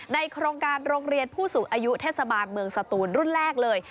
โครงการโรงเรียนผู้สูงอายุเทศบาลเมืองสตูนรุ่นแรกเลย